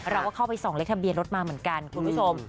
เราก็เข้าไปส่องเลขทะเบียนรถมาเหมือนกันคุณผู้ชม